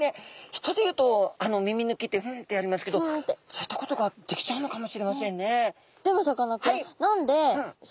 人で言うとあの耳抜きってフンッてやりますけどそういったことができちゃうのかもしれませんね。